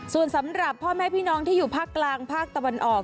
ส่วนสำหรับพ่อแม่พี่น้องที่อยู่ภาคกลางภาคตะวันออก